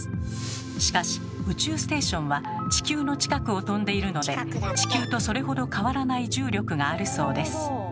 しかし宇宙ステーションは地球の近くを飛んでいるので地球とそれほど変わらない重力があるそうです。